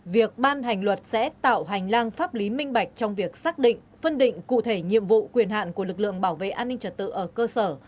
việc ban hành luật sẽ tạo hành lang pháp lý minh bạch trong việc xác định phân định cụ thể nhiệm vụ quyền hạn của lực lượng bảo vệ an ninh trật tự ở cơ sở